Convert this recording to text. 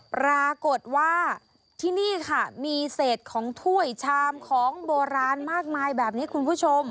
ปรากฏว่าที่นี่ค่ะมีเศษของถ้วยชามของโบราณมากมายแบบนี้คุณผู้ชม